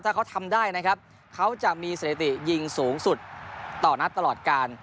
ถ้าเขาทำได้นะครับเขาจะมีสถิติยิงสูงสุดต่อนัดตลอดการ